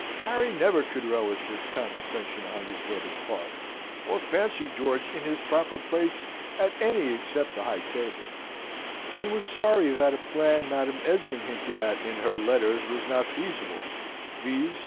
Harry never could relish this condescension on his brother's part, or fancy George in his proper place at any except the high table; and was sorry that a plan Madam Esmond hinted at in her letters was not feasible viz.